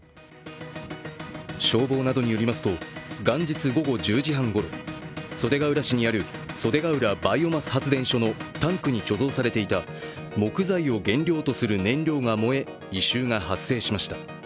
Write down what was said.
消防などによりますと元日午後１０時半ごろ袖ケ浦市にある袖ケ浦バイオマス発電所のタンクに貯蔵されていた木材を原料とする燃料が燃え異臭が発生しました。